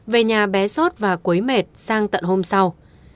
về nhà bé sốt và cuối mệt sang tận hôm sau